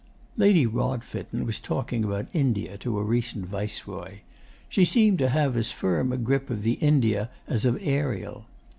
'Lady Rodfitten was talking about India to a recent Viceroy. She seemed to have as firm a grip of India as of "Ariel."